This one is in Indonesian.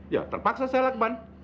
ya terpaksa saya lakban